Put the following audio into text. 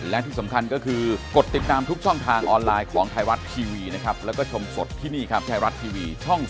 เลื่อนตามการโหวตนายกไป